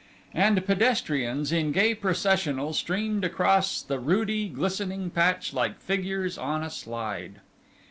And pedestrians in gay processional streamed across the rudy glistening patch like figures on a slide.